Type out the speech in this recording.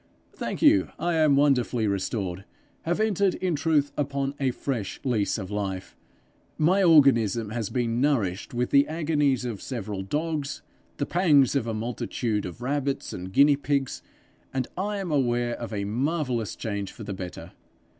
'Thank you, I am wonderfully restored have entered in truth upon a fresh lease of life. My organism has been nourished with the agonies of several dogs, and the pangs of a multitude of rabbits and guinea pigs, and I am aware of a marvellous change for the better.